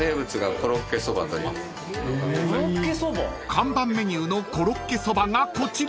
［看板メニューのコロッケそばがこちら］